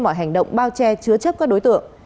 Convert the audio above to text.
mọi hành động bao che chứa chấp các đối tượng